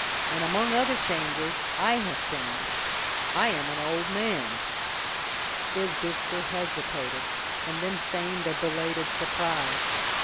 "And, among other changes, I have changed. I am an old man." Isbister hesitated, and then feigned a belated surprise.